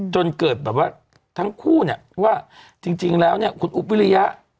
จนเกิดแบบว่าทั้งคู่เนี่ยว่าจริงแล้วเนี่ยคุณอุ๊บวิริยะ